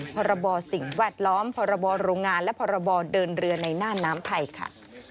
พศิษย์วัดล้อมพศิษย์โรงงานและพศิษย์เดินเรือนในหน้าน้ำไทยค่ะ